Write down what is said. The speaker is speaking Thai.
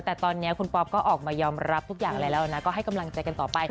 แต่ตอนนี้คุณป๊อปก็ออกมายอมรับทุกอย่างอะไรแล้วนะก็ให้กำลังใจกันต่อไป